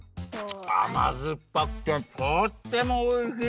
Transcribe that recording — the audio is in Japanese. あまずっぱくてとってもおいしい。